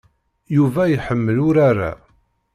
Yuba iḥemmel urar-a.